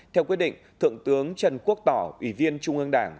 theo quyết định thượng tướng trần quốc tỏ ủy viên trung ương đảng